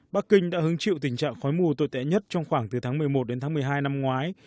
bắc kinh đã hứng chịu tình trạng khói mù tồi tệ nhất trong khoảng từ tháng một mươi một đến tháng một mươi hai năm ngoái